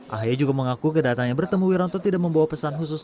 ahy juga mengaku kedatangannya bertemu wiranto tidak membawa pesan khusus